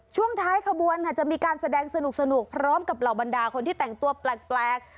ช่วงท้ายขบวนค่ะจะมีการแสดงสนุกพร้อมกับเหล่าบรรดาคนที่แต่งตัวแปลก